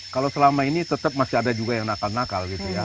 kalau selama ini tetap masih ada juga yang nakal nakal gitu ya